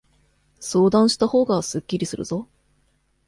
相談したほうがすっきりするぞ。